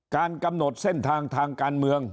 การกำหนดเส้นทางทางการเมือง